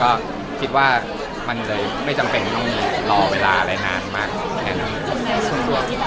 ก็คิดว่ามันเลยไม่จำเป็นต้องรอเวลาอะไรนานมากแค่นั้น